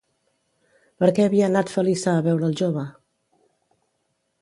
Per què havia anat Feliça a veure el jove?